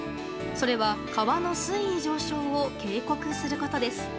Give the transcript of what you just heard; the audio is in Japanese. それは、川の水位上昇を警告することです。